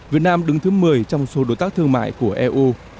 việt nam đứng thứ một mươi trong số đối tác thương mại của eu